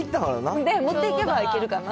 持っていけばいけるかな。